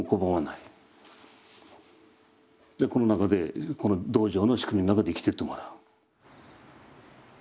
この中でこの道場の仕組みの中で生きてってもらう。